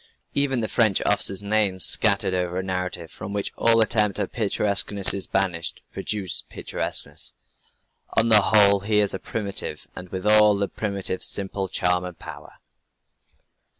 Even the French officers' names scattered over a narrative from which all attempt at picturesqueness is banished, produce picturesqueness. ... On the whole he is a primitive, and with all the primitive's simple charm and power."